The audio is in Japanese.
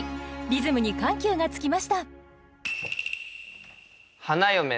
リズムに緩急がつきました。